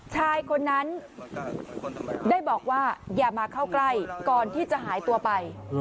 ชายคนนั้นได้บอกว่าอย่ามาเข้าใกล้ก่อนที่จะหายตัวไป